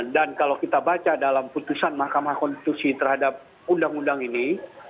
dan kalau kita baca dalam putusan mahkamah konstitusi terhadap undang undang ini